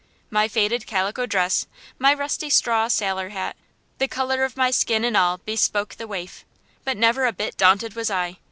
My faded calico dress, my rusty straw sailor hat, the color of my skin and all bespoke the waif. But never a bit daunted was I.